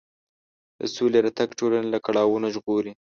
د سولې راتګ ټولنه له کړاوونو ژغوري.